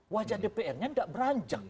wajah dpr nya tidak beranjak